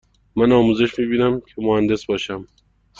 من آموزش می بینم که مهندس باشم.